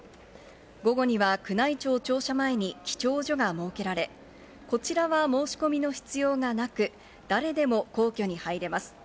午後には宮内庁庁舎前に記帳所が設けられ、こちらは申し込みの必要がなく、誰でも皇居に入れます。